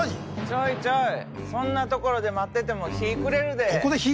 ちょいちょいそんなところで待ってても日ぃ暮れるで。